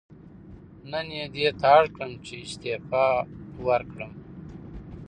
نن یې دې ته اړ کړم چې استعفا ورکړم.